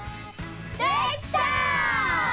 できた！